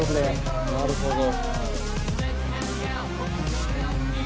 なるほど。